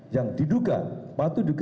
yang diduga patut diduga